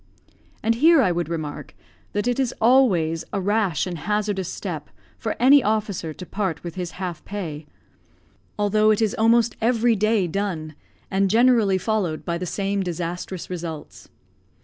And here I would remark that it is always a rash and hazardous step for any officer to part with his half pay; although it is almost every day done, and generally followed by the same disastrous results.